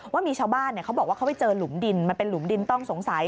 ว่ามีชาวบ้านเขาบอกว่าเขาไปเจอหลุมดินมันเป็นหลุมดินต้องสงสัย